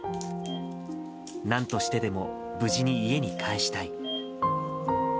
なんとしてでも無事に家に帰したい。